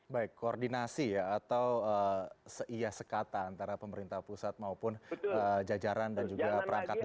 baik koordinasi ya atau seiyah sekata antara pemerintah pusat maupun jajaran dan juga perangkat daerah